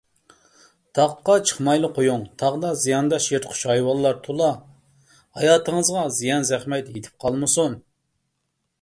تاغقا چىقمايلا قويۇڭ، تاغدا زىيانداش يىرتقۇچ ھايۋانلار تولا، ھاياتىڭىزغا زىيان - زەخمەت يېتىپ قالمىسۇن.